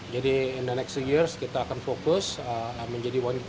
jadi in the next dua years kita akan fokus menjadi satu gw company